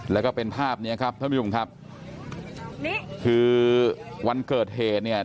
แล้วก็เป็นภาพเนี้ยครับท่านผู้ชมครับนี่คือวันเกิดเหตุเนี่ย